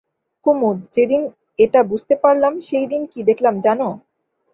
কুমুদ, যেদিন এটা বুঝতে পারলাম সেইদিন কী দেখলাম জানো?